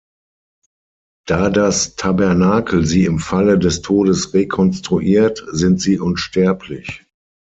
Da das Tabernakel sie im Falle des Todes rekonstruiert, sind sie unsterblich.